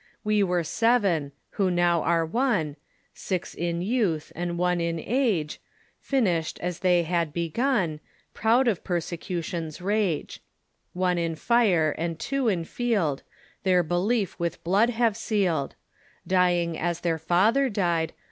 We were seven — who now are one, Six in youth, and one in age, Finish'd as they had begun, Proud of Persecution's rage ; One in fire, and two in field, Their belief with blood have seal'd ; Dying as their father died.